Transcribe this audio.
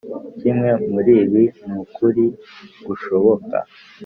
Kimwe muribi nukuri gushboka